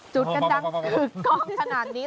จุดก็กก็กขนาดนี้